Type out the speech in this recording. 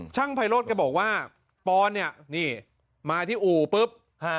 ไพโรธแกบอกว่าปอนเนี่ยนี่มาที่อู่ปุ๊บ